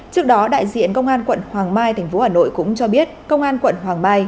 trước đó đại diện công an quận hoàng mai tp hà nội cũng cho biết công an quận hoàng mai